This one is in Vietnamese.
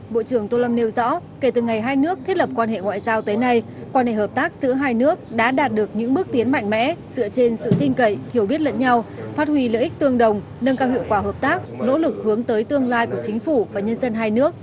bộ trưởng tô lâm nêu rõ kể từ ngày hai nước thiết lập quan hệ ngoại giao tới nay quan hệ hợp tác giữa hai nước đã đạt được những bước tiến mạnh mẽ dựa trên sự tin cậy hiểu biết lẫn nhau phát huy lợi ích tương đồng nâng cao hiệu quả hợp tác nỗ lực hướng tới tương lai của chính phủ và nhân dân hai nước